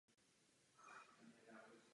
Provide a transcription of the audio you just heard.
V kvalifikaci se hrálo o zbývajících osm míst.